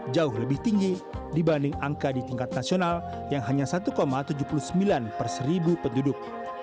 jauh lebih tinggi dibanding angka di tingkat nasional yang hanya satu tujuh puluh sembilan per seribu penduduk